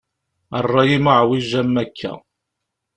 A rray-im uɛwiǧ am akka.